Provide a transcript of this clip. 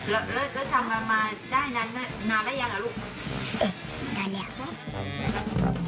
แล้วทำมาได้นานแล้วยังครับลูก